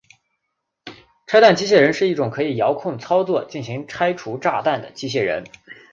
拆弹机械人是一种可以遥控操作进行拆除炸弹的机械人。